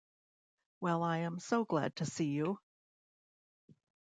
Well, I am so glad to see you.